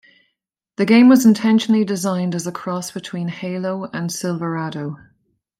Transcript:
The game was "intentionally designed as a cross between "Halo" and "Silverado".